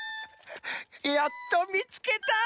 やっとみつけた！